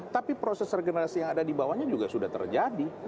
tapi proses regenerasi yang ada di bawahnya juga sudah terjadi